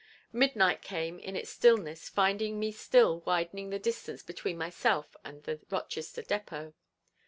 Midnight came in its stillness finding me still widening the distance between myself and the Rochester depot.